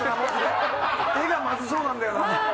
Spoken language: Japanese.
絵がまずそうなんだよな。